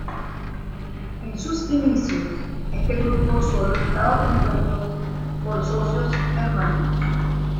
En sus inicios, este grupo solo estaba compuesto por socios germanos.